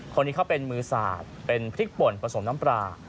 คนนี้เขาเป็นมือสาดเป็นพริกป่นผสมน้ำปลา